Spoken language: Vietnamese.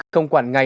không quản ngày